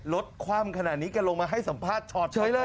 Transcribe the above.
ลดความขนาดนี้กันลงมาให้สัมภาษณ์ช็อต